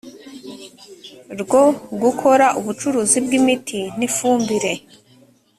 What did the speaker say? rwo gukora ubucuruzi bw imiti n ifumbire